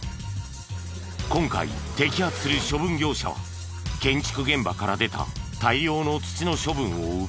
今回摘発する処分業者は建築現場から出た大量の土の処分を請け負っている。